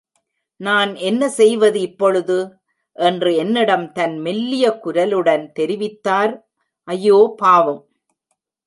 நான் என்ன செய்வது இப்பொழுது? என்று என்னிடம் தன் மெல்லிய குரலுடன் தெரிவித்தார். ஐயோ பாவம்!